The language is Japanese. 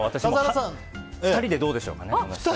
私と２人でどうでしょうかね。